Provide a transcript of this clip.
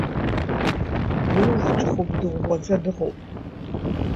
Уаҩылахҿыхуп, дыӷәӷәаӡа дыҟоуп.